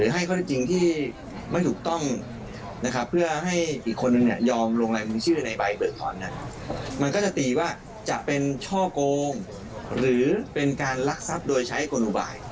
หรือเป็นการลักษัพธ์โดยใช้กลุ่มบ่าย